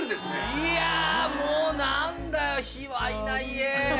いやもう何だよひわいな家。